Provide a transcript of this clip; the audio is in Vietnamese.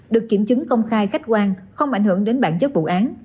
được kiểm chứng công khai khách quan không ảnh hưởng đến bản chất vụ án